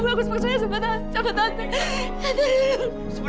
kalau tante yang bikin satria buta iya